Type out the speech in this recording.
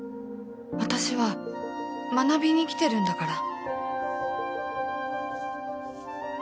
私は学びに来てるんだから